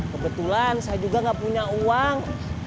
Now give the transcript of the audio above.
kebetulan saya juga nggak punya uang